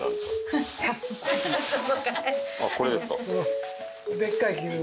あっこれですか。